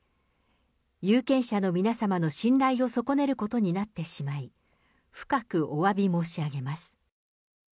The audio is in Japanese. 有権者の皆様の信頼を損ねることになってしまい、深くおわび申し上げます。